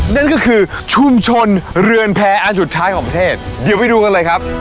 นั่นก็คือชุมชนเรือนแพ้อันสุดท้ายของประเทศเดี๋ยวไปดูกันเลยครับ